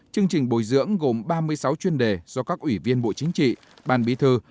chương trình bồi dưỡng gồm ba mươi sáu chuyên đề do các ủy viên bộ chính trị ban bí thư